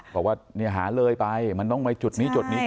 บอกว่าเนี่ยหาเลยไปมันต้องไปจุดนี้จุดนี้ก่อน